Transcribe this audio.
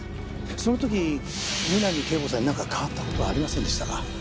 その時三波圭子さんに何か変わった事はありませんでしたか？